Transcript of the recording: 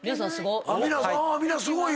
皆すごいわ。